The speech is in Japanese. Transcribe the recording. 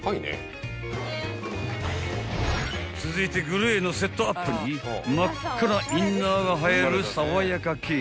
［続いてグレーのセットアップに真っ赤なインナーが映える］